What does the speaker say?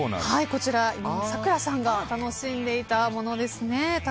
こちら、咲楽さんが楽しんでいらしたものですね。